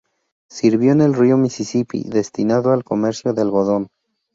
Sirvió en el río Mississippi, destinado al comercio de algodón.